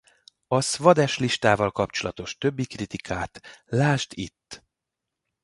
A Swadesh-listával kapcsolatos többi kritikát lásd itt